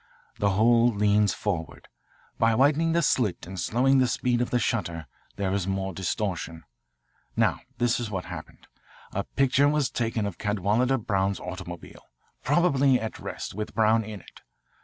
The whole leans forward. By widening the slit and slowing the speed of the shutter, there is more distortion. "Now, this is what happened. A picture was taken of Cadwalader Brown's automobile, probably at rest, with Brown in it.